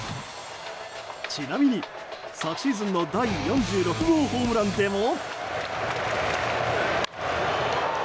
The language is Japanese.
ちなみに昨シーズンの第４６号ホームランでも。